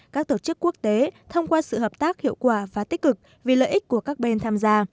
các tổ chức quốc tế thông qua sự hợp tác hiệu quả và tích cực vì lợi ích của các bên tham gia